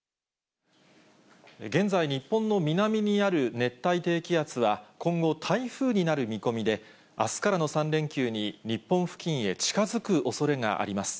現在、日本の南にある熱帯低気圧は、今後、台風になる見込みで、あすからの３連休に日本付近へ近づくおそれがあります。